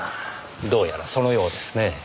どうやらそのようですね。